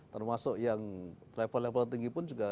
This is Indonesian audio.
termasuk yang level level tinggi pun juga